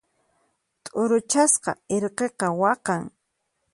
T'uruchasqa irqiqa waqan.